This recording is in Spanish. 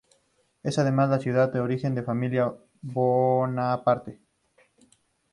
Es, además, la ciudad de origen de la familia Bonaparte.